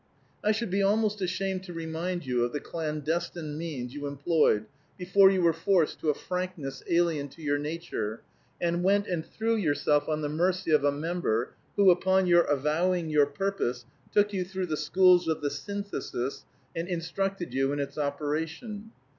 "I should be almost ashamed to remind you of the clandestine means you employed before you were forced to a frankness alien to your nature, and went and threw yourself on the mercy of a Member who, upon your avowing your purpose, took you through the schools of the Synthesis and instructed you in its operation.